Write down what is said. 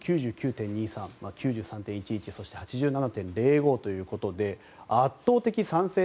９８．４２、９９．２３９３．１１そして８７．０５ということで圧倒的賛成